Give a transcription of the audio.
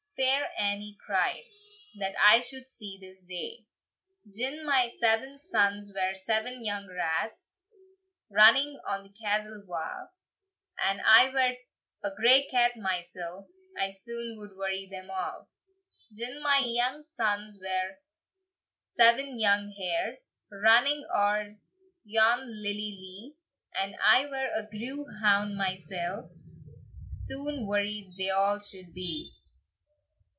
Fair Annie cried, "That I should see this day! "Gin my seven sons were seven young rats, Running on the castle wa, And I were a grey cat mysell, I soon would worry them a'. "Gin my young sons were seven young hares, Running oer yon lilly lee, And I were a grew hound mysell, Soon worried they a' should be."